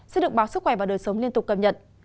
sẽ được báo sức khỏe và đời sống liên tục cập nhật